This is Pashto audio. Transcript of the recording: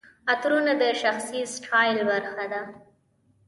عطرونه د شخصي سټایل برخه ده.